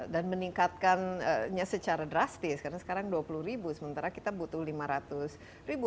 dan meningkatkannya secara drastis karena sekarang dua puluh ribu sementara kita butuh lima ratus ribu